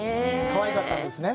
かわいかったんですね？